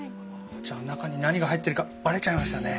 じゃあ中に何が入ってるかバレちゃいましたね。